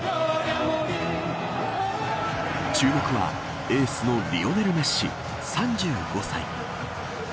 注目はエースのリオネル・メッシ、３５歳。